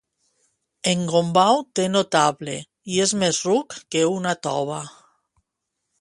En Gombau té notable i és més ruc que una tova.